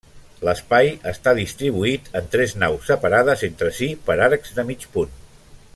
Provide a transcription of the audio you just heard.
L'espai està distribuït en tres naus, separades entre si per arcs de mig punt.